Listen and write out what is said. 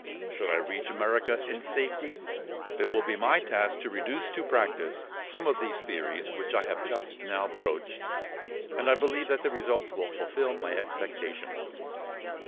Should I reach America in safety, it will be my task to reduce to practice some of these theories which I have just now broached; and I believe that the results will fulfil all my expectations."